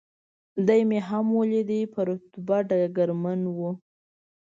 دی مې هم ولید، په رتبه ډګرمن و.